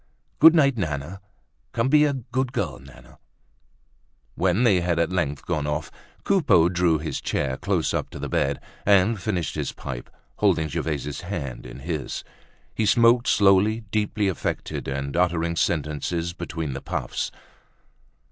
"Good night, Nana. Come be a good girl, Nana." When they had at length gone off, Coupeau drew his chair close up to the bed and finished his pipe, holding Gervaise's hand in his. He smoked slowly, deeply affected and uttering sentences between the puffs.